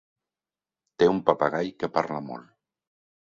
Té un papagai que parla molt.